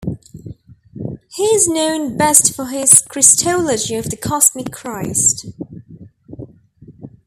He is known best for his Christology of the Cosmic Christ.